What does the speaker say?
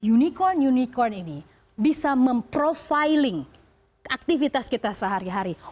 unicorn unicorn ini bisa memprofiling aktivitas kita sehari hari